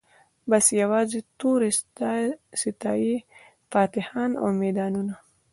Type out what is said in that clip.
بس یوازي توري ستايی فاتحان او میدانونه